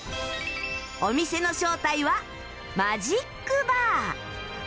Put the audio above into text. お店の正体はマジックバー